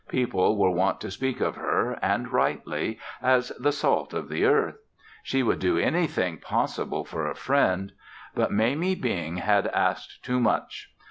People were wont to speak of her, and rightly, as "the salt of the earth." She would do anything possible for a friend. But Mamie Bing had asked too much.